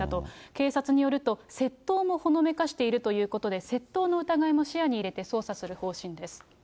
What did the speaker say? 警察によると、窃盗もほのめかしているということで、窃盗の疑いも視野に入れて捜査する方針です。